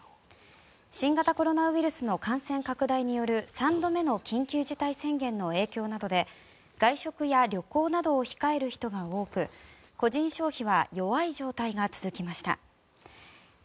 新型コロナウイルスの感染拡大による３度目の緊急事態宣言の影響などで外食や旅行などを控える人が多く個人消費は弱い状態が続きました。